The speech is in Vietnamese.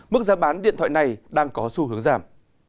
mức giá bán điện thoại này đang có xu hướng giảm